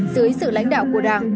dưới sự lãnh đạo của đảng